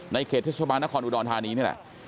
เขตเทศบาลนครอุดรธานีนี่แหละ